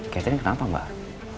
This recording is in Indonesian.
catherine kenapa mbak